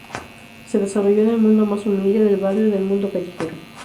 Se desarrolló en el mundo más humilde, del barrio, del mundo callejero.